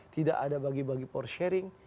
tidak ada bagi bagi power sharing